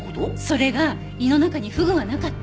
それが胃の中にフグはなかった。